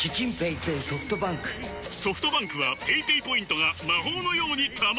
ソフトバンクはペイペイポイントが魔法のように貯まる！